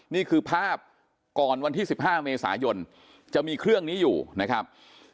นี่คือภาพก่อนวันที่๑๕เมษายนจะมีเครื่องนี้อยู่นะครับ